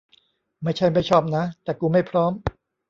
ไม่ใช่ไม่ชอบนะ แต่กูไม่พร้อม